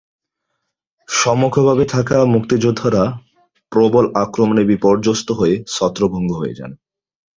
সম্মুখভাগে থাকা মুক্তিযোদ্ধারা প্রবল আক্রমণে বিপর্যস্ত হয়ে ছত্রভঙ্গ হয়ে যান।